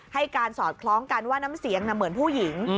ให้การสอดคล้องกันว่าน้ำเสียงเหมือนผู้หญิง